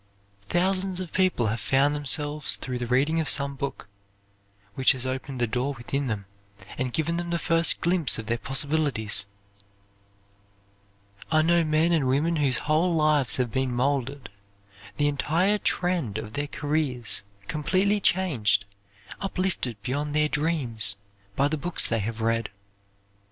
Thousands of people have found themselves through the reading of some book, which has opened the door within them and given them the first glimpse of their possibilities. I know men and women whose whole lives have been molded, the entire trend of their careers completely changed, uplifted beyond their dreams by the books they have read.